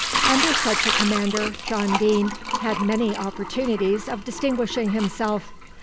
Under such a commander John Deane had many opportunities of distinguishing himself.